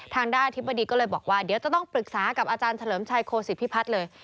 ทางด้านอธิบดีก็เลยบอกว่าเดี๋ยวจะต้องปรึกษากับอาจารย์เฉลิมชัยโคศิพิพัฒน์เลย